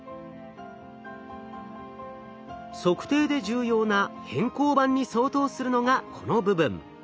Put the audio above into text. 測定で重要な偏光板に相当するのがこの部分。